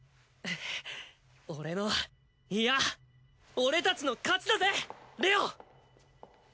俺のいや俺たちの勝ちだぜレオン！